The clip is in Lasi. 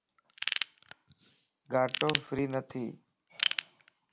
گاٽو فري نه ٿي